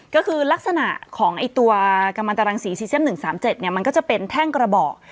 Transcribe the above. ก็คือลักษณะของตัวกำลังตรังสีซีเซียม๑๓๗มันก็จะเป็นแท่งกระบอก